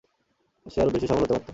সে আরো বেশি সফল হতে পারত।